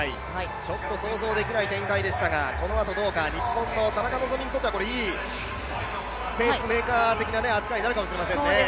ちょっと想像できない展開でしたが、このあとどうか、日本の田中希実にとってはいいペースメーカー的な扱いになるかもしれませんね。